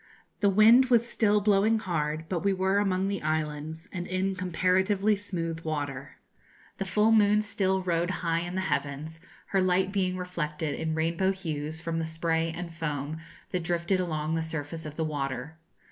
The wind was still blowing hard, but we were among the islands, and in comparatively smooth water. The full moon still rode high in the heavens, her light being reflected in rainbow hues from the spray and foam that drifted along the surface of the water.